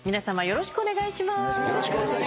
よろしくお願いします。